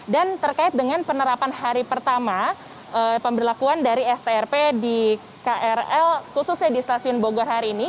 dan terkait dengan penerapan hari pertama pemberlakuan dari strp di krl khususnya di stasiun bogor hari ini